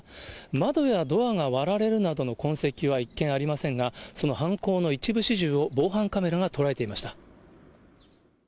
窓やドアが割られるなどの痕跡は一見ありませんが、その犯行の一部始終を防犯カメラが捉えていました。